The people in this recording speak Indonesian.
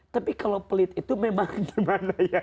tapi kalau pelit itu memang gimana ya